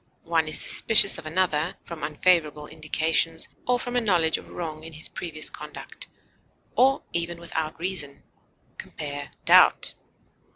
One is suspicious of another from unfavorable indications or from a knowledge of wrong in his previous conduct, or even without reason. Compare DOUBT.